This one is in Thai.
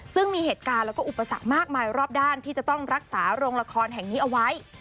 ซึ่งมีเหตุการณ์แล้วก็อุปสรรคมากมายรอบด้านที่จะต้องรักษาโรงละครแห่งนี้เอาไว้